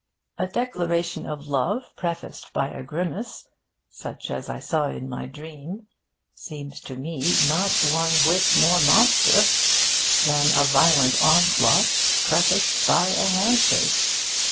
A declaration of love prefaced by a grimace, such as I saw in my dream, seems to me not one whit more monstrous than a violent onslaught prefaced by a hand shake.